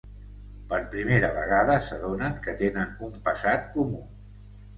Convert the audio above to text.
Per primera vegada s'adonen que tenen un passat comú.